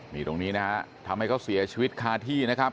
นี่ตรงนี้นะฮะทำให้เขาเสียชีวิตคาที่นะครับ